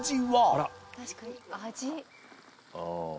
確かに味。